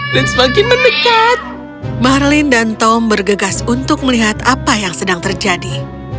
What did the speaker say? dan semakin mendekat marlene dan tom bergegas untuk melihat apa yang sedang terjadi